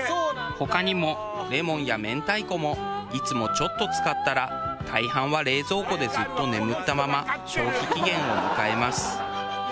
他にもレモンや明太子もいつもちょっと使ったら大半は冷蔵庫でずっと眠ったまま消費期限を迎えます。